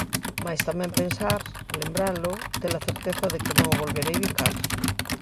Mais tamén pensar, lembralo, ter a certeza de que non o volverei bicar.